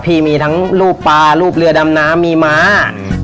พี่มีทั้งรูปปลารูปเรือดำน้ำมีม้า